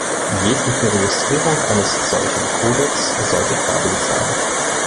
Jegliche Registrierung eines solchen Kodex sollte freiwillig sein.